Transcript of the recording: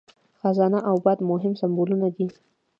خزانه او باد مهم سمبولونه دي.